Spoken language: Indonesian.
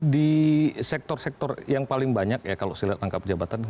di sektor sektor yang paling banyak ya kalau saya lihat rangkap jabatan